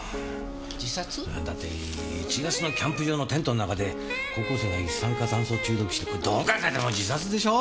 自殺？だって１月のキャンプ場のテントん中で高校生が一酸化炭素中毒死ってこれどう考えても自殺でしょ！？